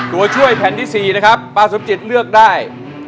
ตัวช่วยแผ่นที่๔นะครับป้าสมจิตเลือกได้